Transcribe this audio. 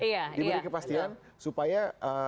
iya diberi kepastian supaya